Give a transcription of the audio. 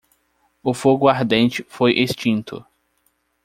O fogo ardente foi extinto.